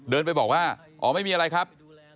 เดินไปบอกว่าอ๋อไม่มีอะไรครับ